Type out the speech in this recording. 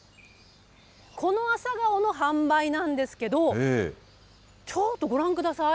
この朝顔の販売なんですけど、ちょっとご覧ください。